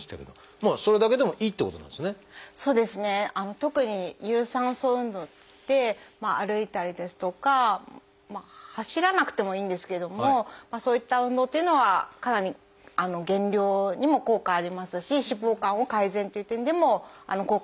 特に有酸素運動といって歩いたりですとかまあ走らなくてもいいんですけどもそういった運動というのはかなり減量にも効果ありますし脂肪肝を改善っていう点でも効果的です。